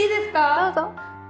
どうぞ。